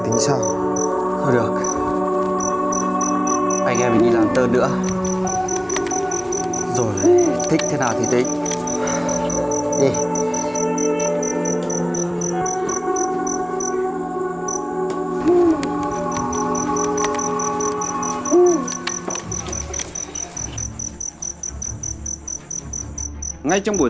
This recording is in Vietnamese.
thế bây giờ anh em mình chơi